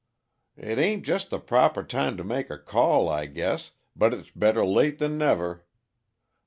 "It ain't just the proper time to make a call, I guess, but it's better late than never.